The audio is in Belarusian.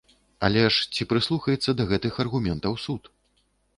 Але ж ці прыслухаецца да гэтых аргументаў суд?